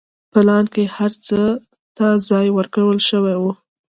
پلان کې هر څه ته ځای ورکړل شوی و.